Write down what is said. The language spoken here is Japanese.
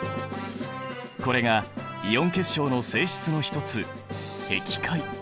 これがイオン結晶の性質の一つへき開。